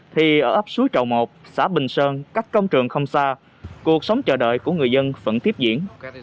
thì ở ấp suối trầu một xã bình sơn cách công trường không xa cuộc sống chờ đợi của người dân vẫn tiếp diễn